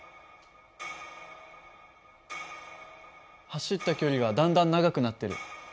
走った距離がだんだん長くなってる。